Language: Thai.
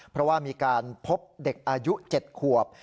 เพราะว่ามีการพบเด็กอายุ๗ขวบ